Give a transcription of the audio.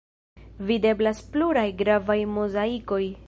Videblas pluraj gravaj mozaikoj.